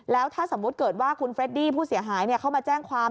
แล้วถ้าสมมุติเกิดว่าคุณเฟรดดี้ผู้เสียหายเข้ามาแจ้งความ